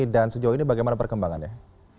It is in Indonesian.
sejauh ini bagaimana perkembangannya